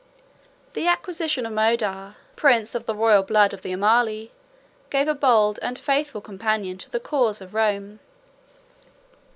The acquisition of Modar, a prince of the royal blood of the Amali, gave a bold and faithful champion to the cause of Rome.